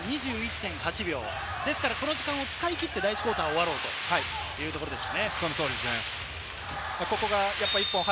この時間を使い切って第１クオーターを終わろうという考えです。